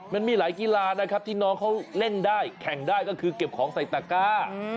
มันมีหลายกีฬานะครับที่น้องเขาเล่นได้แข่งได้ก็คือเก็บของใส่ตะก้า